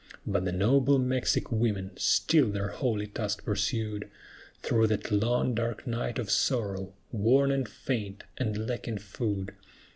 But the noble Mexic women still their holy task pursued, Through that long, dark night of sorrow, worn and faint and lacking food.